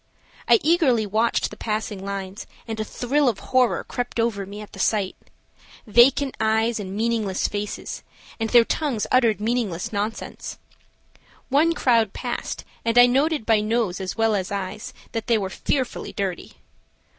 I eagerly watched the passing lines and a thrill of horror crept over me at the sight. Vacant eyes and meaningless faces, and their tongues uttered meaningless nonsense. One crowd passed and I noted by nose as well as eyes, that they were fearfully dirty.